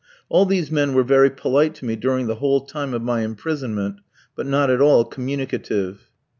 All these men were very polite to me during the whole time of my imprisonment, but not at all communicative.